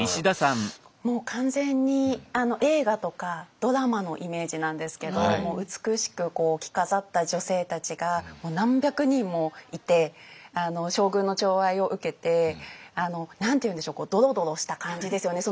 もう完全に映画とかドラマのイメージなんですけど美しく着飾った女性たちが何百人もいて将軍のちょう愛を受けて何て言うんでしょうドロドロした感じですよね。